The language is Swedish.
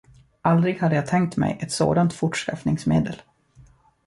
Aldrig hade jag tänkt mig ett sådant fortskaffningsmedel.